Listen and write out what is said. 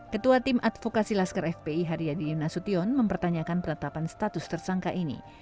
ketua tim advokasi laskar fpi haryadin nasution mempertanyakan penetapan status tersangka ini